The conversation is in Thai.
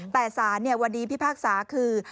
แต่สารวันนี้พิพากษาคือ